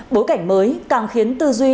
bối cảnh mới càng khiến tư duy